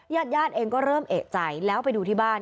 ญาติญาติเองก็เริ่มเอกใจแล้วไปดูที่บ้าน